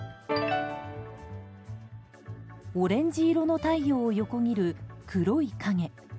オレンジ色の太陽を横切る黒い影。